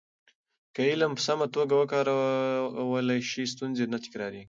که علم په سمه توګه وکارول شي، ستونزې نه تکرارېږي.